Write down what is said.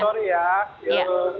mbak putri sorry ya